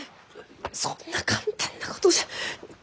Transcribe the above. そんな簡単なことじゃ。